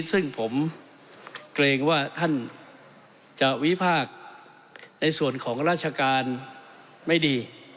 ซึ่งผมเกรงว่าท่านจะวิพากษ์ในส่วนของราชการไม่ดี